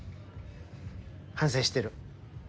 反省してる。